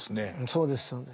そうですそうです。